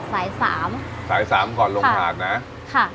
สายสามสายสามก่อนลงหาดนะค่ะ